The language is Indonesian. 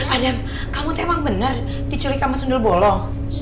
adam kamu emang benar diculik sama sundel bolong